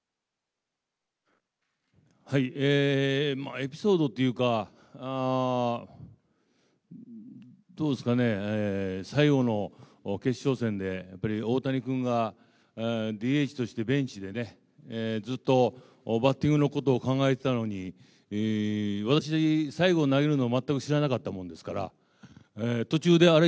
エピソードというか、どうですかね、最後の決勝戦でやっぱり大谷君が、ＤＨとしてベンチでね、ずっとバッティングのことを考えてたのに、私、最後に投げるの全く知らなかったもんですから、途中であれ？